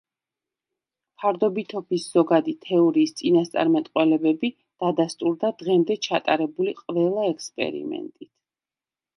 ფარდობითობის ზოგადი თეორიის წინასწარმეტყველებები დადასტურდა დღემდე ჩატარებული ყველა ექსპერიმენტით.